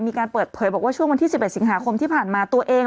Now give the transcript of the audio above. มีการเปิดเผยบอกว่าช่วงวันที่๑๑สิงหาคมที่ผ่านมาตัวเอง